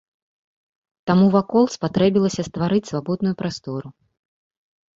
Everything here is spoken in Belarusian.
Таму вакол спатрэбілася стварыць свабодную прастору.